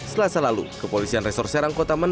setelah selalu kepolisian resurserang kota manasarang